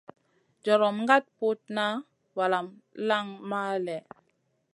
Jorom ŋaɗ putna valamu lanŋ man lèh.